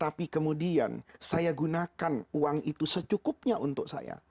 tapi kemudian saya gunakan uang itu secukupnya untuk saya